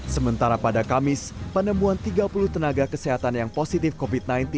sementara pada kamis penemuan tiga puluh tenaga kesehatan yang positif covid sembilan belas